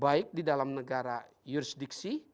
baik di dalam negara jurisdiksi